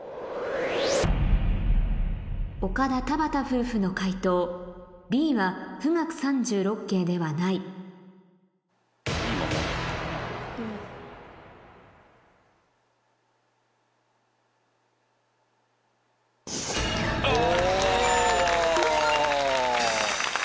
岡田・田畑夫婦の解答Ｂは『冨嶽三十六景』ではないお！